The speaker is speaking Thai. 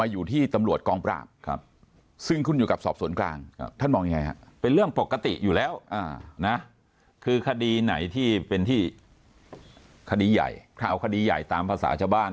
อยู่แล้วนะคือคดีไหนที่เป็นที่คดีใหญ่คราวคดีใหญ่ตามภาษาจบ้าน